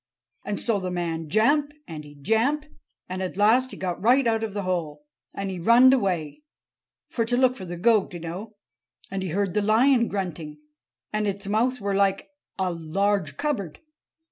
And so the man jamp, and he jamp, and at last he got right out of the hole. And he runned away—for to look for the goat, oo know. And he heard the lion grunting. And its mouth were like a large cupboard.